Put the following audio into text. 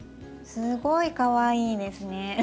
すごいかわいいですね。